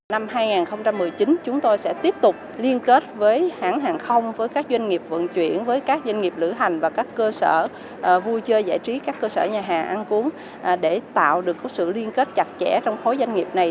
năm hai nghìn một mươi chín chúng tôi sẽ tiếp tục liên kết với hãng hàng không với các doanh nghiệp vận chuyển với các doanh nghiệp lửa hành và các cơ sở vui chơi giải trí các cơ sở nhà hàng ăn uống để tạo được sự liên kết chặt chẽ trong khối doanh nghiệp này